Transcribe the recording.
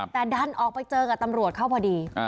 แต่ดันออกไปเจอกับตำรวจเข้าพอดี